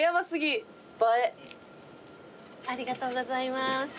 ありがとうございます。